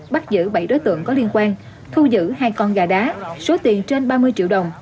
bắt giữ bảy đối tượng có liên quan thu giữ hai con gà đá số tiền trên ba mươi triệu đồng